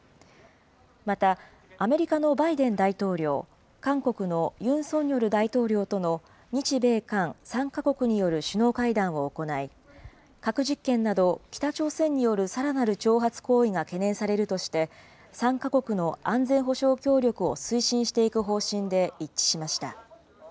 また、アメリカのバイデン大統領、韓国のユン・ソンニョル大統領との日米韓３か国による首脳会談を行い、核実験など、北朝鮮によるさらなる挑発行為が懸念されるとして、３か国の安全保障協力を推進していく方針で一致しました。